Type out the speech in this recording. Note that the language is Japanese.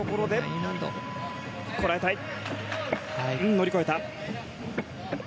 乗り越えた。